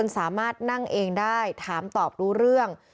สามารถนั่งเองได้ถามตอบรู้เรื่อง